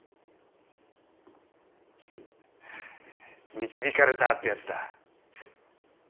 導かれたってやつだ。